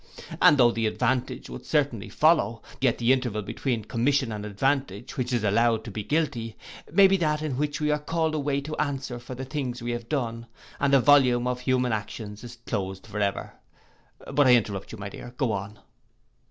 And though the advantage should certainly follow, yet the interval between commission and advantage, which is allowed to be guilty, may be that in which we are called away to answer for the things we have done, and the volume of human actions is closed for ever. But I interrupt you, my dear, go on.